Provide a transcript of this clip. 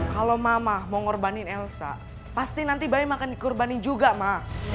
kalau mama mau ngorbanin elsa pasti nanti bayi makan dikorbanin juga ma